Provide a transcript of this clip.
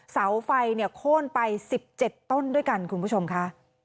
เสาไฟเนี่ยโค้นไป๑๗ต้นด้วยกันคุณผู้ชมค่ะ